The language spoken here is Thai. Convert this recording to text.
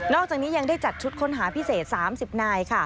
อกจากนี้ยังได้จัดชุดค้นหาพิเศษ๓๐นาย